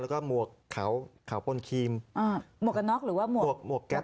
แล้วก็หมวกขาวเขาปนครีมอ่าหมวกกันน็อกหรือว่าหมวกหมวกหวกแก๊